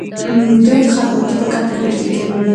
دوی خطاطي په کمپیوټر کې کوي.